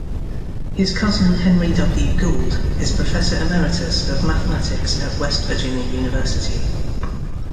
His cousin Henry W. Gould is Professor Emeritus of Mathematics at West Virginia University.